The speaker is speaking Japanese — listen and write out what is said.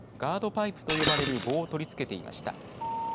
パイプと呼ばれる棒を取り付けていました。